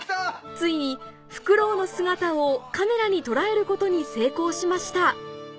・ついにフクロウの姿をカメラに捉えることに成功しました